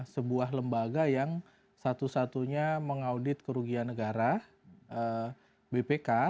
sebuah lembaga yang satu satunya mengaudit kerugian negara bpk